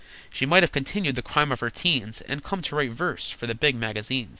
She might have continued the crime of her 'teens, And come to write verse for the Big Magazines!